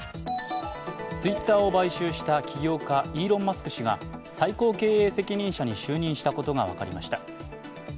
Ｔｗｉｔｔｅｒを買収した企業家イーロン・マスク氏が最高経営責任者に就任したことが分かりました。